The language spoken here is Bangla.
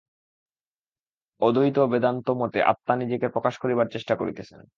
অদ্বৈত বেদান্তমতে আত্মা নিজেকে প্রকাশ করিবার চেষ্টা করিতেছেন।